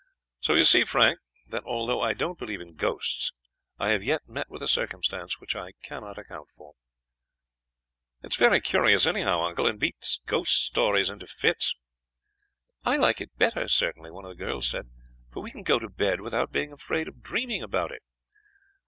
"So you see, Frank, that although I don't believe in ghosts, I have yet met with a circumstance which I cannot account for." "It is very curious anyhow, uncle, and beats ghost stories into fits." "I like it better, certainly," one of the girls said, "for we can go to bed without being afraid of dreaming about it."